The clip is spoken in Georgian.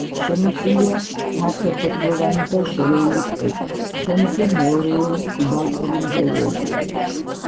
შემოსილია ფართოფოთლოვანი და შერეული ტყით, თხემზე მეორეული სუბალპური მდელოებია.